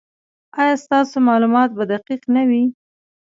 ایا ستاسو معلومات به دقیق نه وي؟